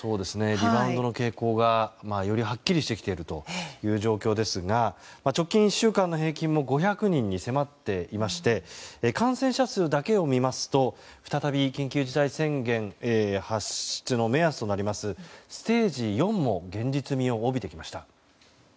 リバウンドの傾向がよりはっきりしてきている状況ですが直近１週間の平均も５００人に迫っていまして感染者数だけを見ますと再び緊急事態宣言の発出の目安となるステージ４も現実味を帯びてきました。